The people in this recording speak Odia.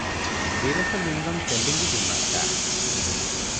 ବିରେଶ ଲିଙ୍ଗମ୍ ତେଲିଙ୍ଗୀ ଗୁମାସ୍ତା ।